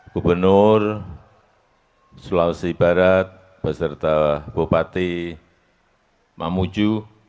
gubernur sulawesi barat beserta bupati mamuju